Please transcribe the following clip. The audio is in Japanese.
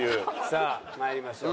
さあまいりましょう。